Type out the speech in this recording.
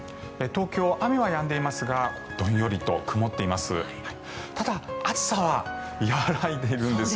東京、雨はやんでいますがどんよりと曇っています。